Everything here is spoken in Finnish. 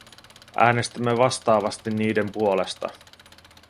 Äänestämme vastaavasti niiden puolesta.